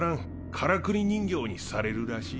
からくり人形にされるらしい。